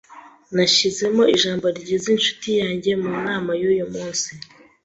Nashyizemo ijambo ryiza inshuti yanjye mu nama yuyu munsi.